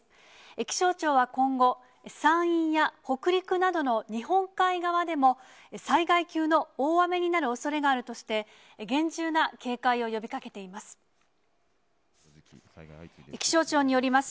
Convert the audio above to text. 気象庁は今後、山陰や北陸などの日本海側でも、災害級の大雨になるおそれがあるとして、厳重な警戒を呼びかけています。